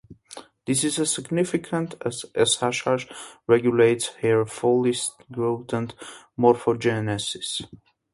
This is significant as Shh regulates hair follicle growth and morphogenesis.